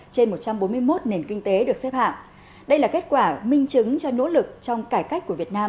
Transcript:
trên một trăm bốn mươi một nền kinh tế được xếp hạng đây là kết quả minh chứng cho nỗ lực trong cải cách của việt nam